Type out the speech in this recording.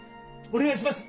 お願いします！